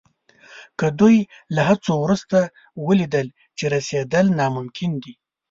که دوی له هڅو وروسته ولیدل چې رسېدل ناممکن دي.